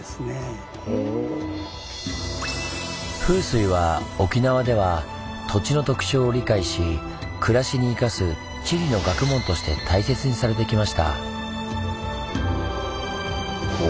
風水は沖縄では土地の特徴を理解し暮らしに生かす地理の学問として大切にされてきました。